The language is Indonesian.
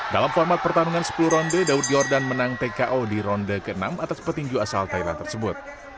dalam format pertarungan sepuluh ronde daud yordan menang tko di ronde ke enam atas petinju asal thailand tersebut